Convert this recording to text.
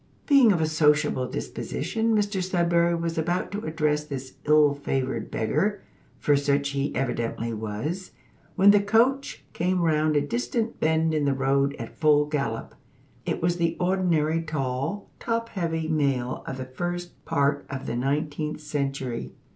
Being of a sociable disposition, Mr Sudberry was about to address this ill favoured beggar for such he evidently was when the coach came round a distant bend in the road at full gallop. It was the ordinary tall, top heavy mail of the first part of the nineteenth century.